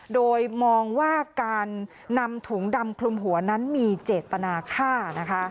โดยมองว่าการนำถุงดำคลุมหัวนั้นมีเจตนาฆ่านะคะ